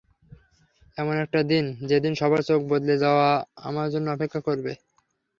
এমন একটা দিন যেদিন সবার চোখ বদলে যাওয়া আমার জন্যে অপেক্ষা করবে।